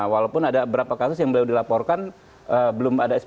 walaupun ada berapa kasus yang beliau dilaporkan belum ada sp tiga